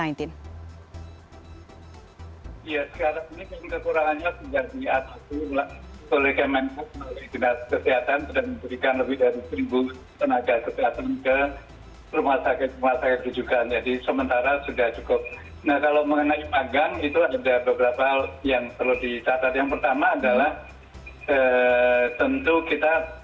ya sekarang ini kekurangannya sejati atas itu oleh kementerian kesehatan dan memberikan lebih dari seribu tenaga kesehatan ke rumah sakit rumah sakit juga